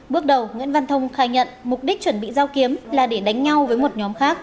bước đầu nguyễn văn thông khai nhận mục đích chuẩn bị giao kiếm là để đánh nhau với một nhóm khác